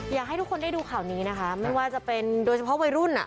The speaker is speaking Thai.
อยากให้ทุกคนได้ดูข่าวนี้นะคะไม่ว่าจะเป็นโดยเฉพาะวัยรุ่นอ่ะ